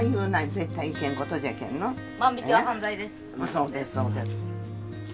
そうですそうです。